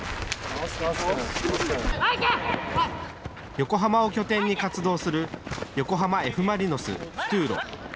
横浜を拠点に活動する、横浜Ｆ・マリノスフトゥーロ。